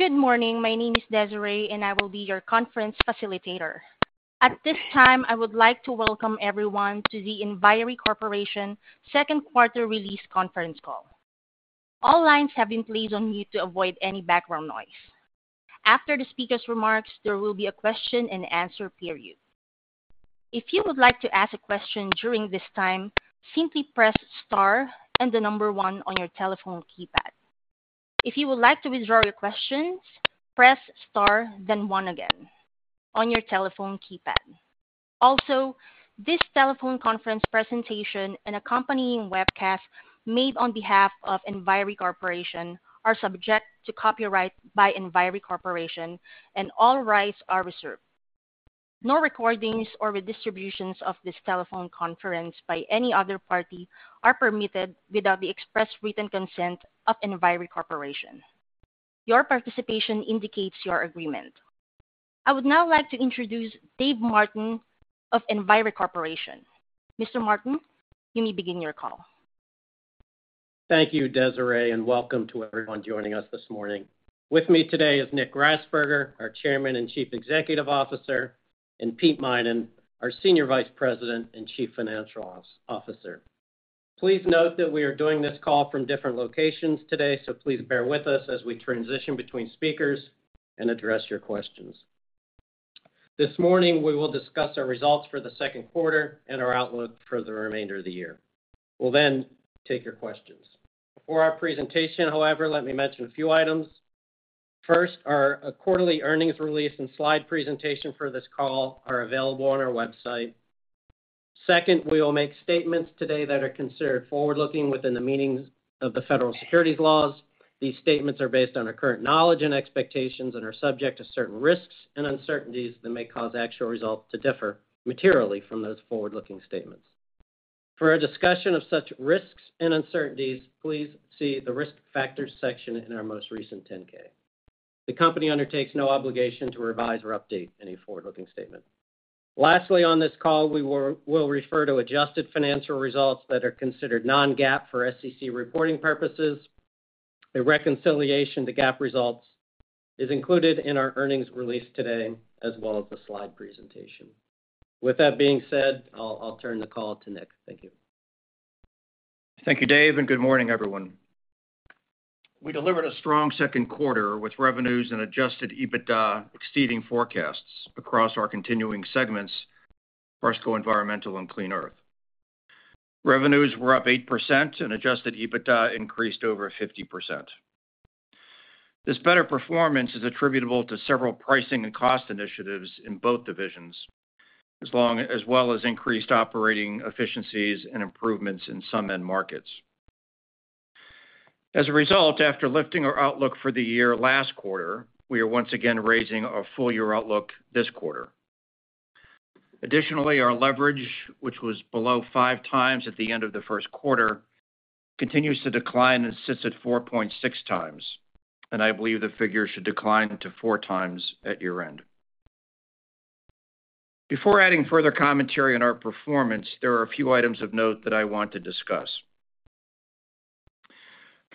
Good morning. My name is Desiree and I will be your conference facilitator. At this time, I would like to welcome everyone to the Enviri Corporation Second Quarter release Conference Call. All lines have been placed on mute to avoid any background noise. After the speaker's remarks, there will be a question and answer period. If you would like to ask a question during this time, simply press star and the number one on your telephone keypad. If you would like to withdraw your questions, press star, then one again on your telephone keypad. Also, this telephone conference presentation and accompanying webcast made on behalf of Enviri Corporation are subject to copyright by Enviri Corporation, and all rights are reserved. No recordings or redistributions of this telephone conference by any other party are permitted without the express written consent of Enviri Corporation. Your participation indicates your agreement. I would now like to introduce David Martin of Enviri Corporation. Mr. Martin, you may begin your call. Thank you Desiree and welcome to everyone joining us this morning. With me today is Nick Grasberger, our Chairman and Chief Executive Officer, and Pete Minan, our Senior Vice President and Chief Financial Officer. Please note that we are doing this call from different locations today, so please bear with us as we transition between speakers and address your questions. This morning, we will discuss our results for the second quarter and our outlook for the remainder of the year. We'll then take your questions. Before our presentation, however, let me mention a few items. First, our quarterly earnings release and slide presentation for this call are available on our website. Second, we will make statements today that are considered forward-looking within the meanings of the federal securities laws. These statements are based on our current knowledge and expectations and are subject to certain risks and uncertainties that may cause actual results to differ materially from those forward-looking statements. For a discussion of such risks and uncertainties, please see the Risk Factors section in our most recent 10-K. The company undertakes no obligation to revise or update any forward-looking statement. Lastly, on this call, we will refer to adjusted financial results that are considered non-GAAP for SEC reporting purposes. A reconciliation to GAAP results is included in our earnings release today as well as the slide presentation. With that being said, I'll turn the call to Nick. Thank you. Thank you Dave and good morning everyone. We delivered a strong second quarter, with revenues and adjusted EBITDA exceeding forecasts across our continuing segments, Harsco Environmental and Clean Earth. Revenues were up 8% and adjusted EBITDA increased over 50%. This better performance is attributable to several pricing and cost initiatives in both divisions, as well as increased operating efficiencies and improvements in some end markets. As a result, after lifting our outlook for the year last quarter, we are once again raising our full-year outlook this quarter. Additionally, our leverage, which was below 5x at the end of the first quarter, continues to decline and sits at 4.6x. I believe the figure should decline to 4x at year-end. Before adding further commentary on our performance, there are a few items of note that I want to discuss.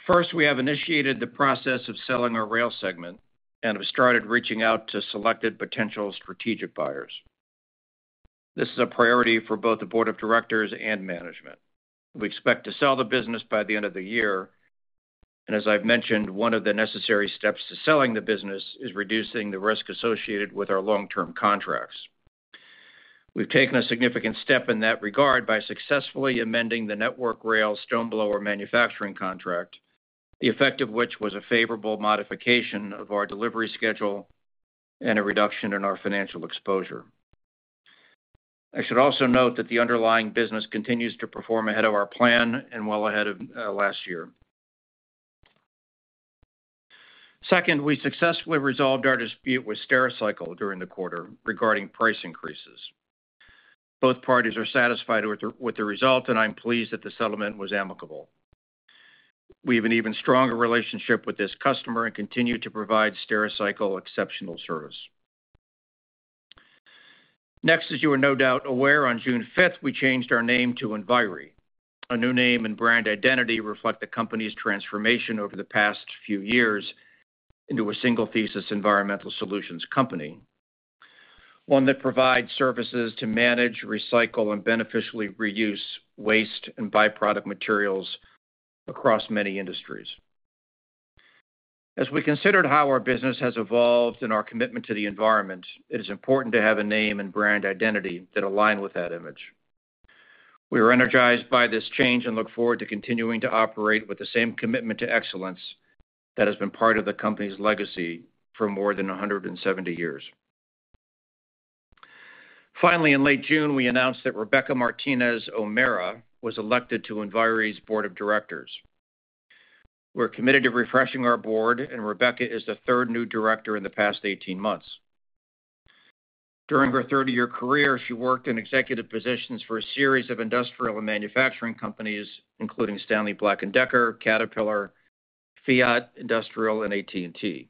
First, we have initiated the process of selling our rail segment and have started reaching out to selected potential strategic buyers. This is a priority for both the board of directors and management. We expect to sell the business by the end of the year. As I've mentioned, one of the necessary steps to selling the business is reducing the risk associated with our long-term contracts. We've taken a significant step in that regard by successfully amending the Network Rail stoneblower manufacturing contract, the effect of which was a favorable modification of our delivery schedule and a reduction in our financial exposure. I should also note that the underlying business continues to perform ahead of our plan and well ahead of last year. Second, we successfully resolved our dispute with Stericycle during the quarter regarding price increases. Both parties are satisfied with the result, and I'm pleased that the settlement was amicable. We have an even stronger relationship with this customer and continue to provide Stericycle exceptional service. Next, as you are no doubt aware, on June 5th, we changed our name to Enviri. A new name and brand identity reflect the company's transformation over the past few years into a single-thesis environmental solutions company, one that provides services to manage, recycle, and beneficially reuse waste and byproduct materials across many industries. As we considered how our business has evolved and our commitment to the environment, it is important to have a name and brand identity that align with that image. We are energized by this change and look forward to continuing to operate with the same commitment to excellence that has been part of the company's legacy for more than 170 years. Finally, in late June, we announced that Rebecca Martinez O'Mara was elected to Enviri's board of directors. We're committed to refreshing our board, and Rebecca is the third new director in the past 18 months. During her 30-year career, she worked in executive positions for a series of industrial and manufacturing companies, including Stanley Black & Decker, Caterpillar, Fiat Industrial, and AT&T.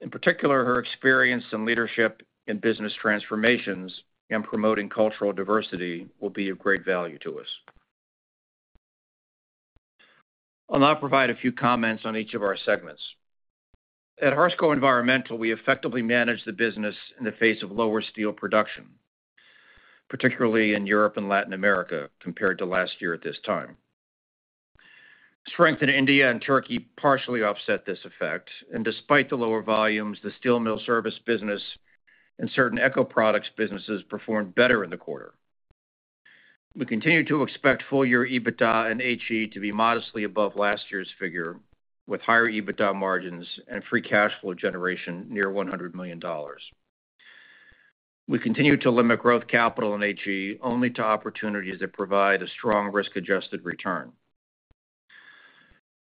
In particular, her experience in leadership in business transformations and promoting cultural diversity will be of great value to us. I'll now provide a few comments on each of our segments. At Harsco Environmental, we effectively managed the business in the face of lower steel production, particularly in Europe and Latin America, compared to last year at this time. Strength in India and Turkey partially offset this effect, and despite the lower volumes, the steel mill service business and certain ecoproducts businesses performed better in the quarter. We continue to expect full year EBITDA and HE to be modestly above last year's figure, with higher EBITDA margins and free cash flow generation near $100 million. We continue to limit growth capital in HE only to opportunities that provide a strong risk-adjusted return.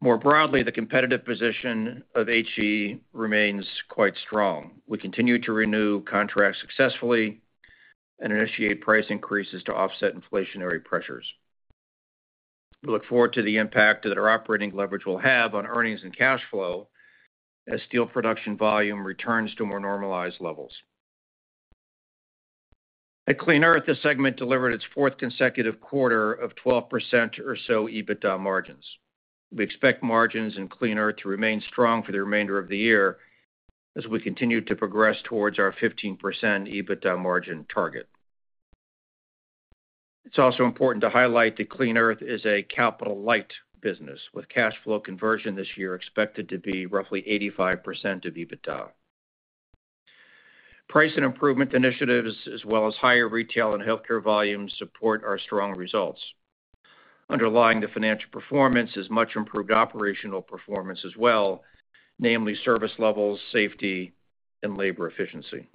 More broadly, the competitive position of HE remains quite strong. We continue to renew contracts successfully and initiate price increases to offset inflationary pressures. We look forward to the impact that our operating leverage will have on earnings and cash flow as steel production volume returns to more normalized levels. At Clean Earth, this segment delivered its fourth consecutive quarter of 12% or so EBITDA margins. We expect margins in Clean Earth to remain strong for the remainder of the year as we continue to progress towards our 15% EBITDA margin target. It's also important to highlight that Clean Earth is a capital-light business, with cash flow conversion this year expected to be roughly 85% of EBITDA. Price and improvement initiatives, as well as higher retail and healthcare volumes, support our strong results. Underlying the financial performance is much improved operational performance as well, namely service levels, safety, and labor efficiency.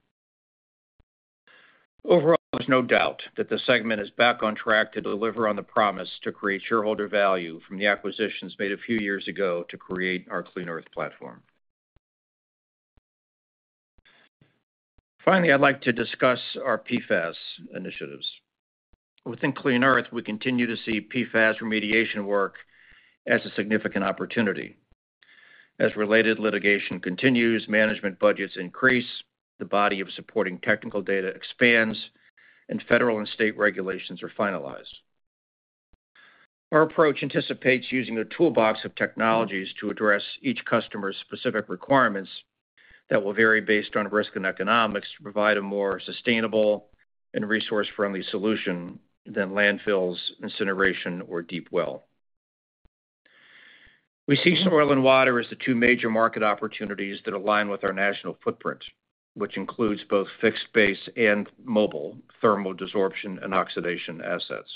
Overall, there's no doubt that the segment is back on track to deliver on the promise to create shareholder value from the acquisitions made a few years ago to create our Clean Earth platform. Finally, I'd like to discuss our PFAS initiatives. Within Clean Earth, we continue to see PFAS remediation work as a significant opportunity. As related litigation continues, management budgets increase, the body of supporting technical data expands, and federal and state regulations are finalized. Our approach anticipates using a toolbox of technologies to address each customer's specific requirements that will vary based on risk and economics, to provide a more sustainable and resource-friendly solution than landfills, incineration, or deep well. We see soil and water as the two major market opportunities that align with our national footprint, which includes both fixed base and mobile thermal desorption and oxidation assets.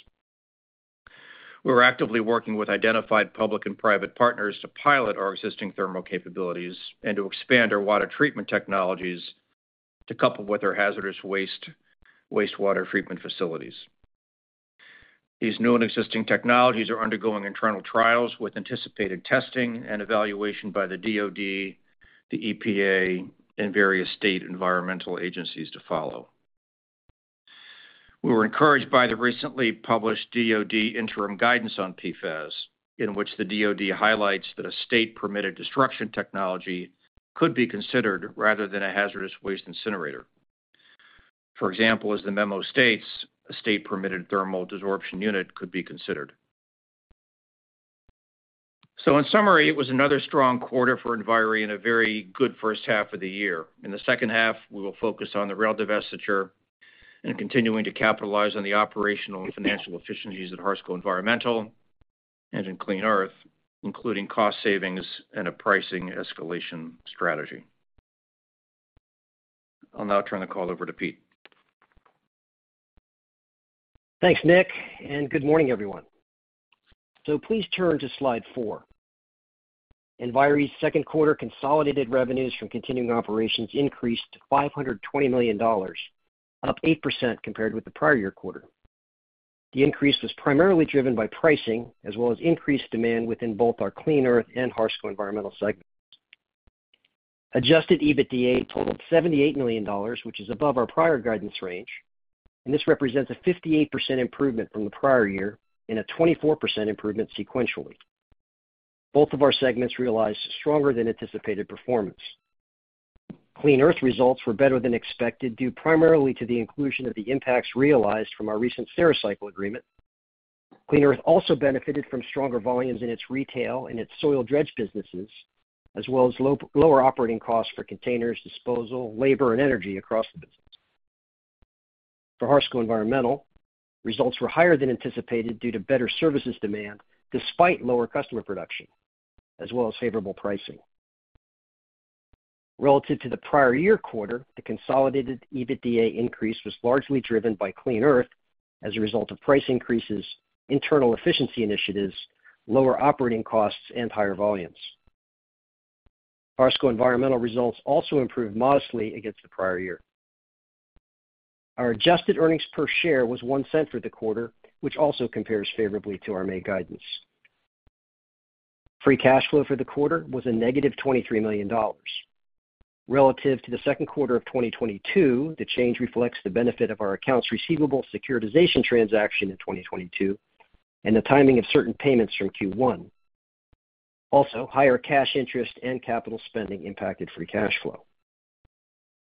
We're actively working with identified public and private partners to pilot our existing thermal capabilities and to expand our water treatment technologies to couple with our hazardous waste, wastewater treatment facilities. These known existing technologies are undergoing internal trials with anticipated testing and evaluation by the DoD, the EPA, and various state environmental agencies to follow. We were encouraged by the recently published DoD interim guidance on PFAS, in which the DoD highlights that a state-permitted destruction technology could be considered rather than a hazardous waste incinerator. For example, as the memo states, a state-permitted thermal desorption unit could be considered. In summary, it was another strong quarter for Enviri and a very good first half of the year. In the second half, we will focus on the rail divestiture and continuing to capitalize on the operational and financial efficiencies at Harsco Environmental and in Clean Earth, including cost savings and a pricing escalation strategy. I'll now turn the call over to Pete. Thanks Nick and good morning everyone. Please turn to slide 4. Enviri's second quarter consolidated revenues from continuing operations increased to $520 million, up 8% compared with the prior year quarter. The increase was primarily driven by pricing as well as increased demand within both our Clean Earth and Harsco Environmental segments. Adjusted EBITDA totaled $78 million, which is above our prior guidance range, and this represents a 58% improvement from the prior year and a 24% improvement sequentially. Both of our segments realized stronger than anticipated performance. Clean Earth results were better than expected, due primarily to the inclusion of the impacts realized from our recent Stericycle agreement. Clean Earth also benefited from stronger volumes in its retail and its soil dredge businesses, as well as lower operating costs for containers, disposal, labor, and energy across the business. For Harsco Environmental, results were higher than anticipated due to better services demand, despite lower customer production as well as favorable pricing. Relative to the prior year quarter, the consolidated EBITDA increase was largely driven by Clean Earth as a result of price increases, internal efficiency initiatives, lower operating costs, and higher volumes. Harsco Environmental results also improved modestly against the prior year. Our adjusted earnings per share was $0.01 for the quarter, which also compares favorably to our main guidance. Free cash flow for the quarter was a negative $23 million. Relative to the second quarter of 2022, the change reflects the benefit of our accounts receivable securitization transaction in 2022 and the timing of certain payments from Q1. Higher cash interest and capital spending impacted free cash flow.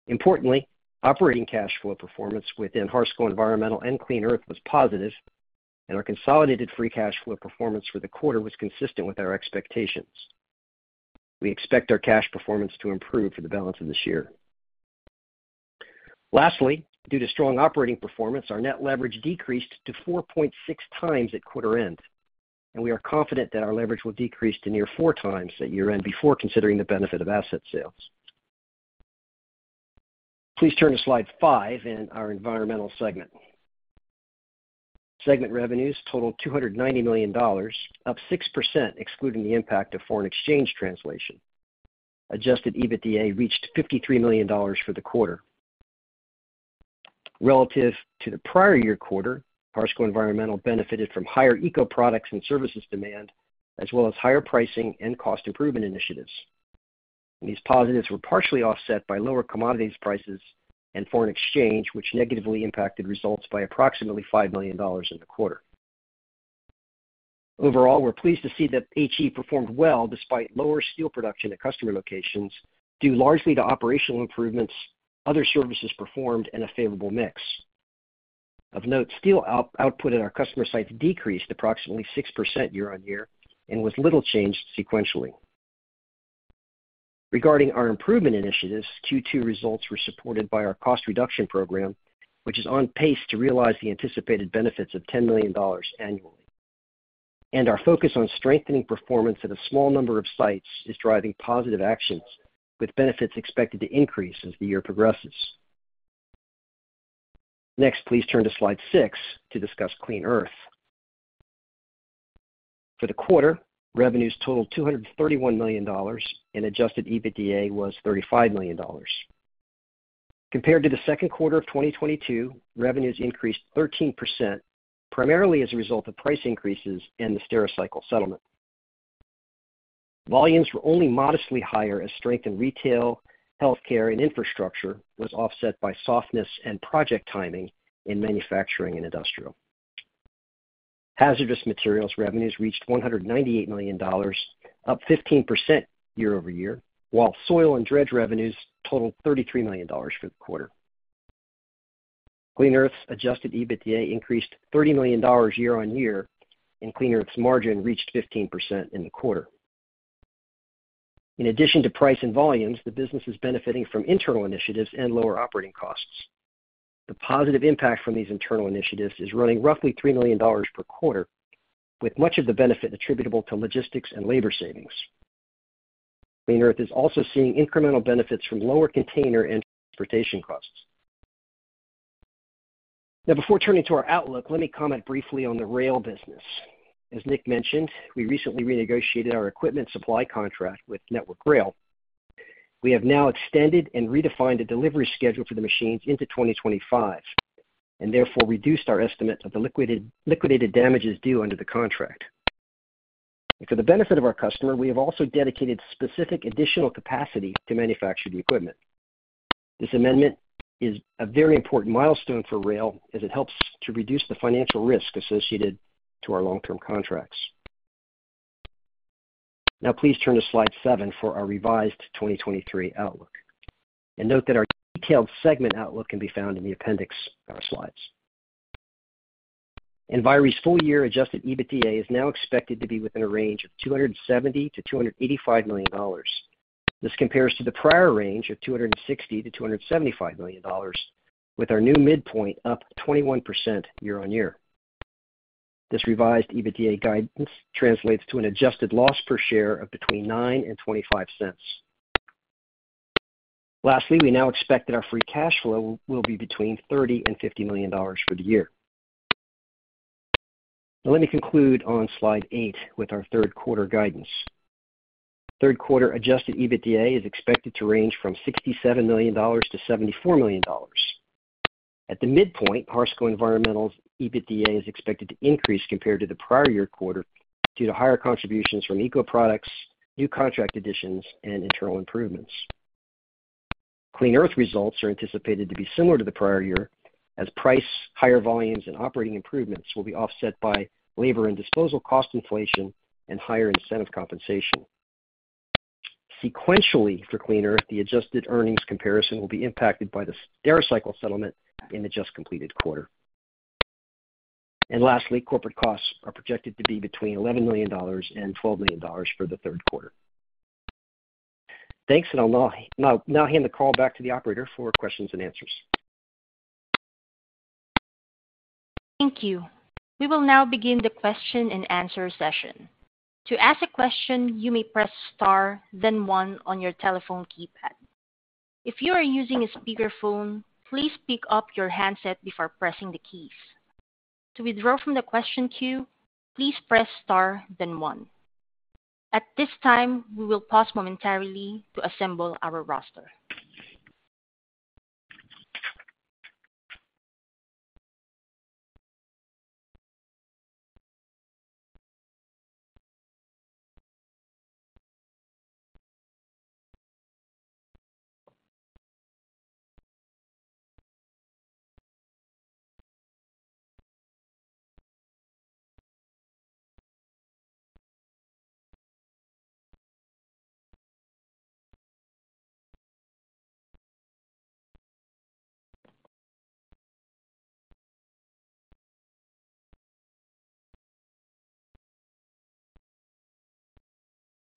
Importantly, operating cash flow performance within Harsco Environmental and Clean Earth was positive, and our consolidated free cash flow performance for the quarter was consistent with our expectations. We expect our cash performance to improve for the balance of this year. Lastly, due to strong operating performance, our net leverage decreased to 4.6x at quarter end, and we are confident that our leverage will decrease to near 4x at year-end before considering the benefit of asset sales. Please turn to slide five in our environmental segment. Segment revenues totaled $290 million, up 6%, excluding the impact of foreign exchange translation. Adjusted EBITDA reached $53 million for the quarter. Relative to the prior year quarter, Harsco Environmental benefited from higher ecoproducts and services demand, as well as higher pricing and cost improvement initiatives. These positives were partially offset by lower commodities prices and foreign exchange, which negatively impacted results by approximately $5 million in the quarter. Overall, we're pleased to see that HE performed well despite lower steel production at customer locations, due largely to operational improvements, other services performed, and a favorable mix. Of note, steel output at our customer sites decreased approximately 6% year-on-year and was little changed sequentially. Regarding our improvement initiatives, Q2 results were supported by our cost reduction program, which is on pace to realize the anticipated benefits of $10 million annually. Our focus on strengthening performance at a small number of sites is driving positive actions, with benefits expected to increase as the year progresses. Next, please turn to slide six to discuss Clean Earth. For the quarter, revenues totaled $231 million, and adjusted EBITDA was $35 million. Compared to the second quarter of 2022, revenues increased 13%, primarily as a result of price increases and the Stericycle settlement. Volumes were only modestly higher as strength in retail, healthcare, and infrastructure was offset by softness and project timing in manufacturing and industrial. Hazardous materials revenues reached $198 million, up 15% year-over-year, while soil and dredge revenues totaled $33 million for the quarter. Clean Earth's adjusted EBITDA increased $30 million year-on-year, and Clean Earth's margin reached 15% in the quarter. In addition to price and volumes, the business is benefiting from internal initiatives and lower operating costs. The positive impact from these internal initiatives is running roughly $3 million per quarter, with much of the benefit attributable to logistics and labor savings. Clean Earth is also seeing incremental benefits from lower container and transportation costs. Now, before turning to our outlook, let me comment briefly on the rail business. As Nick mentioned, we recently renegotiated our equipment supply contract with Network Rail. We have now extended and redefined the delivery schedule for the machines into 2025, and therefore reduced our estimate of the liquidated damages due under the contract. For the benefit of our customer, we have also dedicated specific additional capacity to manufacture the equipment. This amendment is a very important milestone for rail, as it helps to reduce the financial risk associated to our long-term contracts. Now, please turn to slide seven for our revised 2023 outlook. Note that our detailed segment outlook can be found in the appendix of our slides. Enviri's full-year adjusted EBITDA is now expected to be within a range of $270 million-$285 million. This compares to the prior range of $260 million-$275 million, with our new midpoint up 21% year-on-year. This revised EBITDA guidance translates to an adjusted loss per share of between $0.09 and $0.25. Lastly, we now expect that our free cash flow will be between $30 million and $50 million for the year. Let me conclude on slide eight with our third quarter guidance. Third quarter adjusted EBITDA is expected to range from $67 million-$74 million. At the midpoint, Harsco Environmental's EBITDA is expected to increase compared to the prior year quarter due to higher contributions from ecoproducts, new contract additions, and internal improvements. Clean Earth results are anticipated to be similar to the prior year, as price, higher volumes, and operating improvements will be offset by labor and disposal cost inflation and higher incentive compensation. Sequentially for Clean Earth, the adjusted earnings comparison will be impacted by the Stericycle settlement in the just completed quarter. Lastly, corporate costs are projected to be between $11 million and $12 million for the third quarter. Thanks and I'll now hand the call back to the operator for questions and answers. Thank you. We will now begin the question and answer session. To ask a question, you may press star then one on your telephone keypad. If you are using a speakerphone, please pick up your handset before pressing the keys. To withdraw from the question queue, please press star then one. At this time, we will pause momentarily to assemble our roster.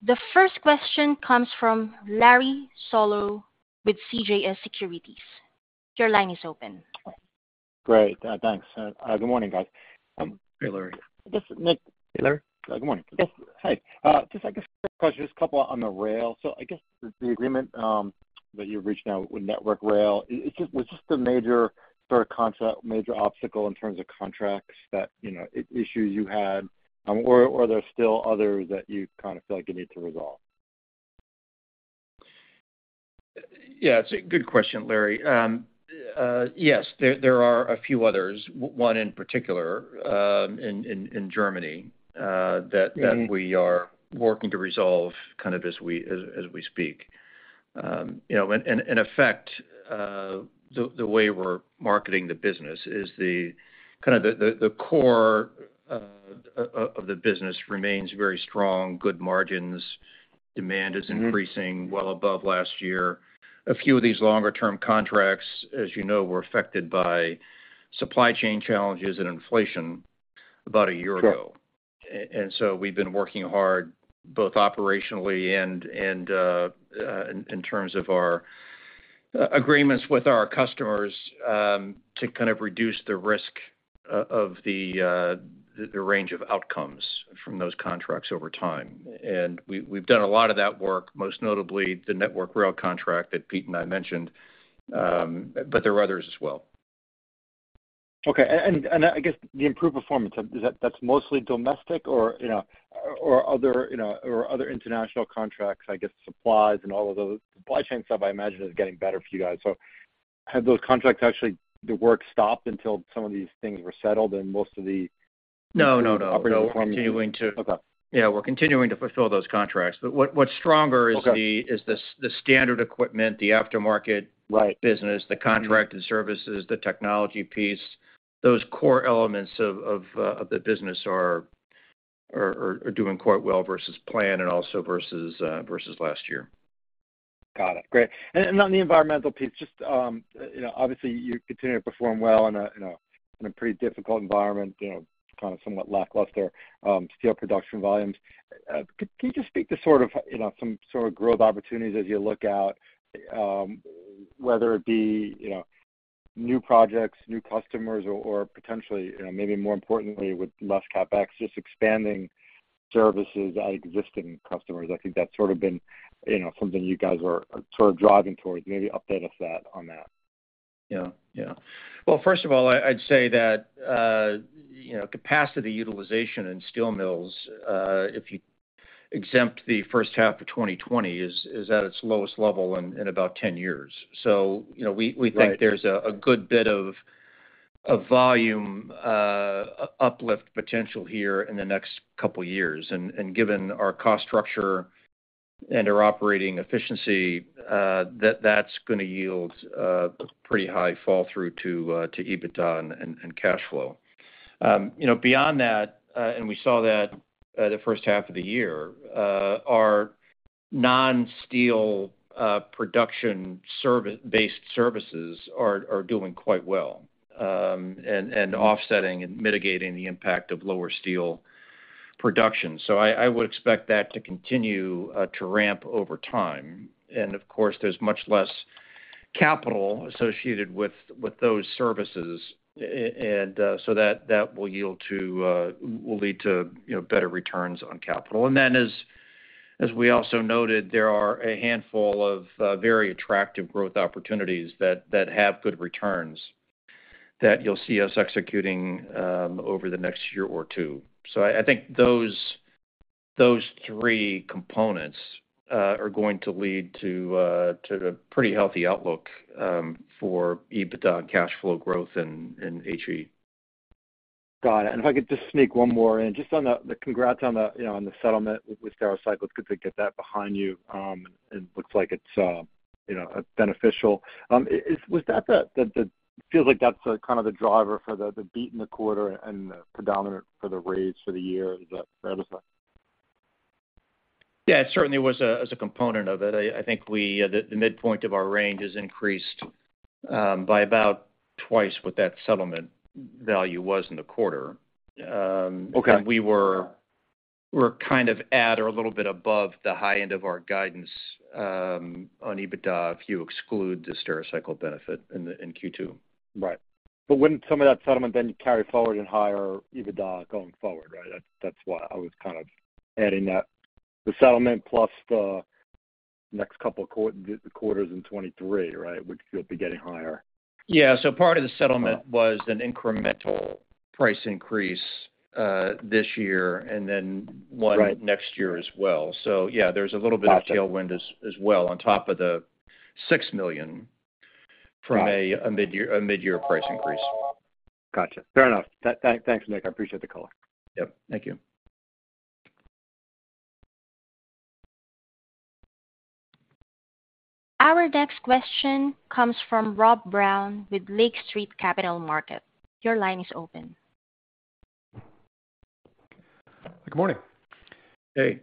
The first question comes from Larry Solow with CJS Securities. Your line is open. Great, thanks. Good morning, guys. Hey Larry, this is Nick. Hey Larry. Good morning. Yes, hi. just I guess question, just a couple on the rail. I guess the agreement that you've reached now with Network Rail, was just a major sort of concept, major obstacle in terms of contracts that, you know, issues you had, or are there still others that you kind of feel like you need to resolve? Yeah, it's a good question Larry. Yes, there are a few others, one in particular, in Germany, that we are working to resolve kind of as we speak. You know, and in effect, the way we're marketing the business is the kind of the core, of the business remains very strong. Good margins. Mm-hmm. Demand is increasing well above last year. A few of these longer-term contracts, as you know, were affected by supply chain challenges and inflation about a year ago. Sure. We've been working hard, both operationally and in terms of our agreements with our customers, to kind of reduce the risk of the range of outcomes from those contracts over time. We've done a lot of that work, most notably the Network Rail contract that Pete and I mentioned, but there are others as well. Okay and I guess the improved performance, is that's mostly domestic or, you know, or other, you know, or other international contracts, I guess, supplies and all of those. Supply chain stuff, I imagine, is getting better for you guys. Have those contracts actually the work stopped until some of these things were settled and most of the— No, no, no. operating— We're continuing. Okay. Yeah, we're continuing to fulfill those contracts. What's stronger is the— Okay is the the standard equipment, the aftermarket- Right business, the contracted services, the technology piece. Those core elements of the business, are doing quite well versus plan and also versus, versus last year. Got it. Great, on the environmental piece, just, you know, obviously, you continue to perform well in a, you know, in a pretty difficult environment, you know, kind of somewhat lackluster, steel production volumes. Can you just speak to sort of, you know, some sort of growth opportunities as you look out, whether it be, you know, new projects, new customers, or potentially, you know, maybe more importantly, with less CapEx, just expanding services at existing customers? I think that's sort of been, you know, something you guys are sort of driving towards. Maybe update us that, on that. Yeah. Well, first of all, I'd say that, you know, capacity utilization in steel mills, if you exempt the first half of 2020, is at its lowest level in about 10 years. You know, we— Right think there's a, a good bit, of volume uplift potential here in the next couple of years. And, given our cost structure and our operating efficiency, that, that's gonna yield pretty high fall-through to EBITDA, and cash flow. You know, beyond that, and we saw that the first half of the year, our non-steel production service-based services are doing quite well, and offsetting and mitigating the impact of lower steel production. So, I would expect that to continue to ramp over time, and of course, there's much less capital associated with those services. And, so that will yield to will lead to, you know, better returns on capital. Then as we also noted, there are a handful of very attractive growth opportunities that, that have good returns, that you'll see us executing over the next year or two. I, I think those, those three components are going to lead to a, to a pretty healthy outlook for EBITDA and cash flow growth in, in HE. Got it. If I could just sneak one more in. Just on the congrats on the, you know, on the settlement with Stericycle. It's good to get that behind you, and looks like it's, you know, beneficial. Was that the feels like that's kind of the driver for the beat in the quarter and the predominant for the raise for the year? Is that, that was that? Yeah, it certainly was a, as a component of it. I, I think we, the, the midpoint of our range is increased by about twice what that settlement value was in the quarter. Okay We're kind of at or a little bit above the high end of our guidance on EBITDA, if you exclude the Stericycle benefit in Q2. Right. Wouldn't some of that settlement then carry forward in higher EBITDA going forward, right? That's why I was kind of adding that. The settlement plus the next couple of quarters in 2023, right, which you'll be getting higher. Yeah. part of the settlement— Uh was an incremental price increase, this year, and then one— Right next year as well. Yeah, there's a little bit— Got it. of tailwind as well, on top of the $6 million— Got it. a midyear price increase. Gotcha, fair enough. Thanks, Nick. I appreciate the call. Yep, thank you. Our next question comes from Robert Brown with Lake Street Capital Markets. Your line is open. Good morning! Hey,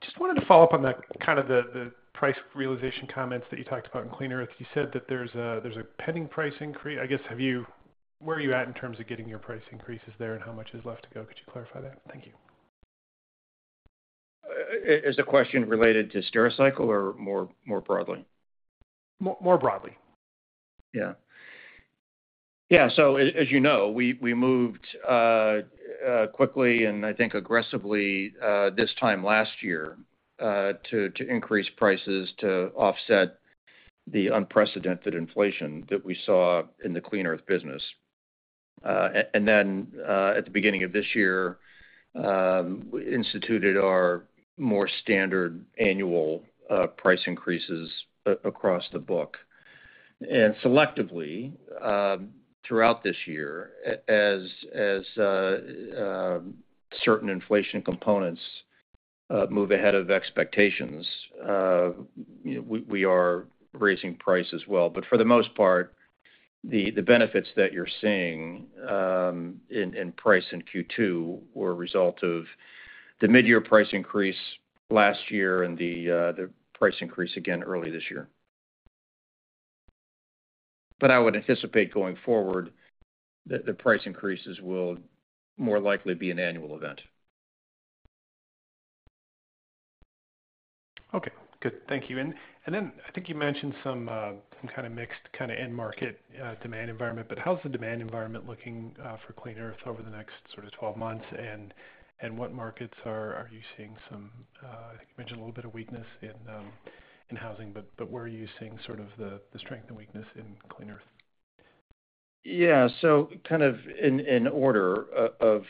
just wanted to follow up on the kind of the, the price realization comments that you talked about in Clean Earth. You said that there's a pending price increase, I guess. Where are you at in terms of getting your price increases there, and how much is left to go? Could you clarify that? Thank you. Is the question related to Stericycle or more broadly? More, more broadly. Yeah, so as, as you know, we moved quickly and I think aggressively this time last year to increase prices to offset the unprecedented inflation that we saw in the Clean Earth business. At the beginning of this year, instituted our more standard annual price increases across the book. Selectively, throughout this year, as certain inflation components move ahead of expectations, you know, we are raising price as well. For the most part, the benefits that you're seeing in, in price in Q2 were a result of the mid-year price increase last year and the price increase again early this year. I would anticipate going forward, that the price increases will more likely be an annual event. Okay, good. Thank you, then I think you mentioned some, some kind of mixed kind of end market demand environment. How's the demand environment looking for Clean Earth over the next sort of 12 months? What markets are, are you seeing some—I think you mentioned a little bit of weakness in housing, but where are you seeing sort of the strength and weakness in Clean Earth? Yeah, so kind of in order of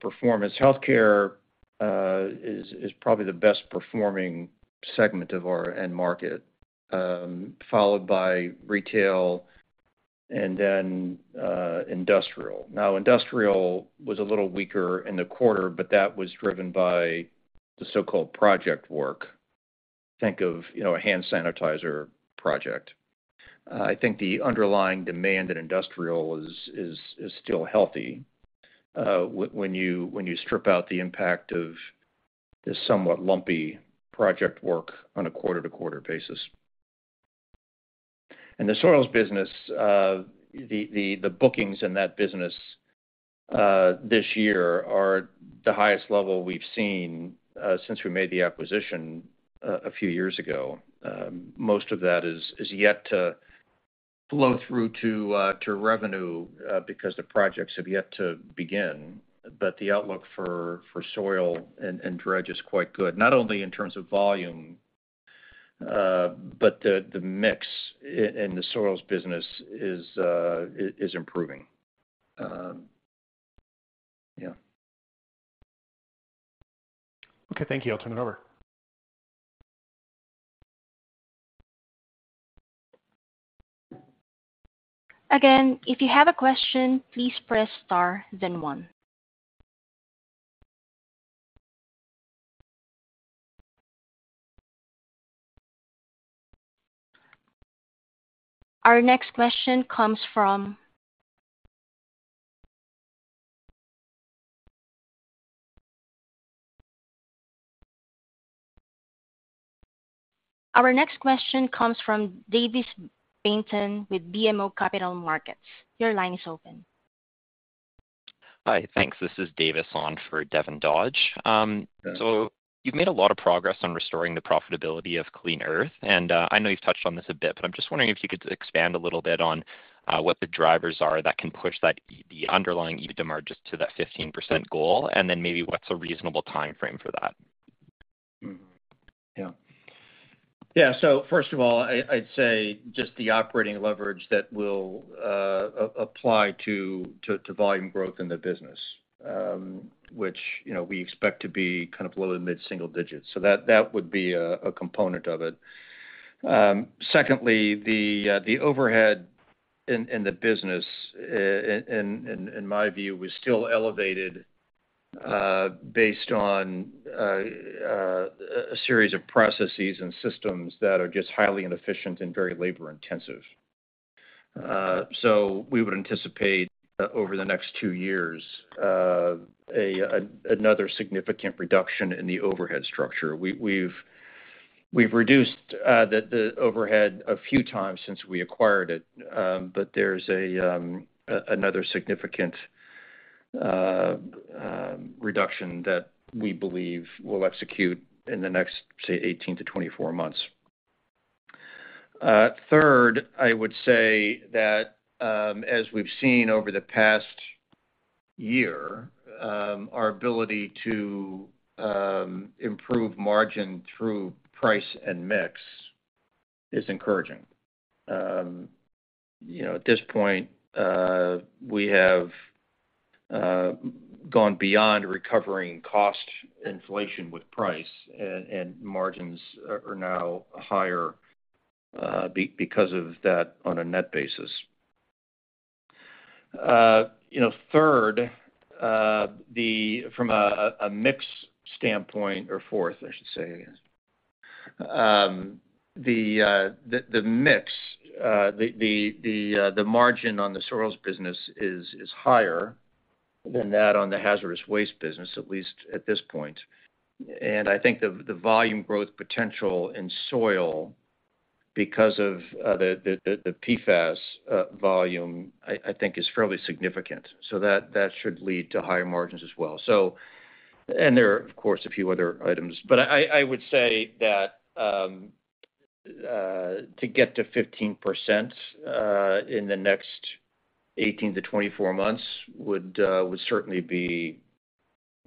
performance, healthcare is probably the best performing segment of our end market, followed by retail and then industrial. Now, industrial was a little weaker in the quarter, but that was driven by the so-called project work. Think of, you know, a hand sanitizer project. I think the underlying demand in industrial is still healthy, when you strip out the impact of the somewhat lumpy project work on a quarter-to-quarter basis. In the soils business, the bookings in that business this year are the highest level we've seen since we made the acquisition a few years ago. Most of that is yet to flow through to revenue, because the projects have yet to begin. The outlook for soil and dredge is quite good, not only in terms of volume, but the mix in the soils business is improving. Yeah. Okay, thank you. I'll turn it over. Again, if you have a question, please press star, then one. Our next question comes from Davis Benton with BMO Capital Markets. Your line is open. Hi, thanks. This is Davis, on for Devin Dodge. You've made a lot of progress on restoring the profitability of Clean Earth, and I know you've touched on this a bit, but I'm just wondering if you could expand a little bit on what the drivers are that can push that, the underlying EBITDA margin to that 15% goal, and then maybe what's a reasonable timeframe for that? Yeah. First of all, I'd say just the operating leverage that will apply to volume growth in the business, which, you know, we expect to be kind of low to mid-single digits. That would be a component of it. Secondly, the overhead in the business, in my view, was still elevated, based on a series of processes and systems that are just highly inefficient and very labor-intensive. We would anticipate over the next two years, a, another significant reduction in the overhead structure. We, we've reduced the overhead a few times since we acquired it, but there's a, another significant reduction that we believe will execute in the next, say, 18-24 months. Third, I would say that, as we've seen over the past year, our ability to improve margin through price and mix is encouraging. you know, at this point, we have gone beyond recovering cost inflation with price, and margins are now higher because of that on a net basis. you know, third, the from a mix standpoint or fourth, I should say the mix, the margin on the soils business is higher than that on the hazardous waste business, at least at this point. And I think the volume growth potential in soil, because of the PFAS volume, I think is fairly significant. So that should lead to higher margins as well. So, and there are, of course, a few other items. But I would say that, to get to 15%, in the next 18-24 months would, would certainly be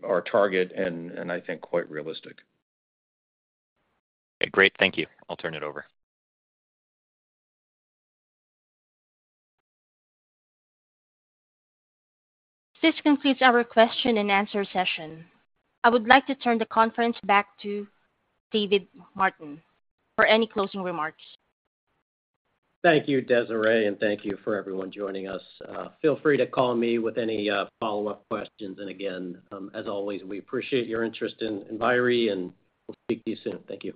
our target, and I think quite realistic. Okay, great. Thank you. I'll turn it over. This concludes our question and answer session. I would like to turn the conference back to David Martin for any closing remarks. Thank you, Desiree, and thank you for everyone joining us. Feel free to call me with any follow-up questions. Again, as always, we appreciate your interest in Enviri, and we'll speak to you soon. Thank you.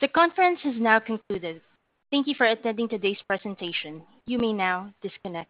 The conference has now concluded. Thank you for attending today's presentation. You may now disconnect.